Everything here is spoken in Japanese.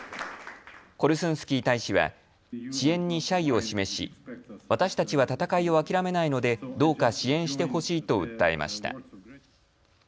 コルスンスキー大使は支援に謝意を示し私たちは戦いを諦めないのでどうか支援してほしいと訴えました。